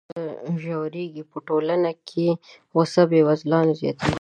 طبقاتي تبعيض چې څومره ژورېږي، په ټولنه کې غوسه بېوزلان زياتېږي.